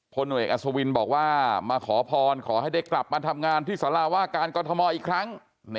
หน่วยเอกอัศวินบอกว่ามาขอพรขอให้ได้กลับมาทำงานที่สาราว่าการกรทมอีกครั้ง